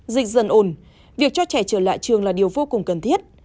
dịch dần ổn việc cho trẻ trở lại trường là điều vô cùng cần thiết